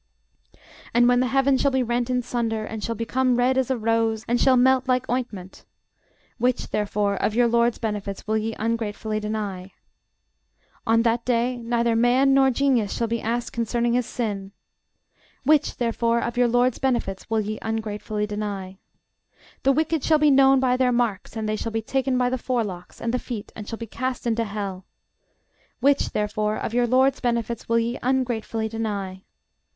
And when the heaven shall be rent in sunder, and shall become red as a rose, and shall melt like ointment: (Which, therefore, of your LORD'S benefits will ye ungratefully deny?) On that day neither man nor genius shall be asked concerning his sin. Which, therefore, of your LORD'S benefits will ye ungratefully deny? The wicked shall be known by their marks; and they shall be taken by the forelocks, and the feet, and shall be cast into hell. Which, therefore, of your LORD'S benefits will ye ungratefully deny?